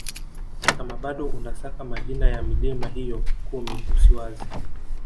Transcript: Kama bado unasaka majina ya milima hiyo kumi usiwaze